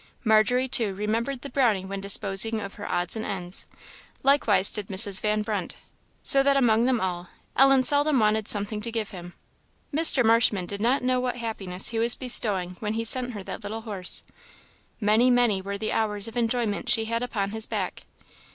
Margery, too, remembered the Brownie when disposing of her odds and ends; likewise did Mrs. Van Brunt; so that among them all, Ellen seldom wanted something to give him. Mr. Marshman did not know what happiness he was bestowing when he sent her that little horse. Many, many were the hours of enjoyment she had upon his back.